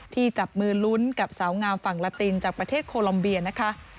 จับมือลุ้นกับสาวงามฝั่งลาตินจากประเทศโคลอมเบียนะคะ